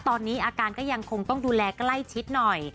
ตอนนี้อาการก็ยังคงต้องดูแลใกล้ชิดหน่อย